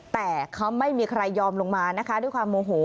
แต่เขาไม่มีใครยอมลงมานะคะด้วยความโมโห